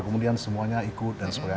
kemudian semuanya ikut dan sebagainya